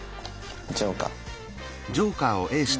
ジョーカー。